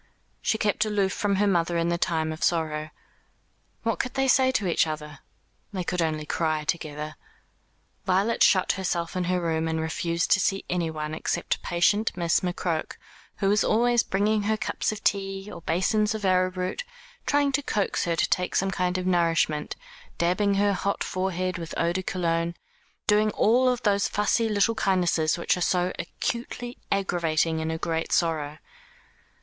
She kept aloof from her mother in the time of sorrow. What could they say to each other? They could only cry together. Violet shut herself in her room, and refused to see anyone, except patient Miss McCroke, who was always bringing her cups of tea, or basins of arrowroot, trying to coax her to take some kind of nourishment, dabbing her hot forehead with eau de Cologne doing all those fussy little kindnesses which are so acutely aggravating in a great sorrow.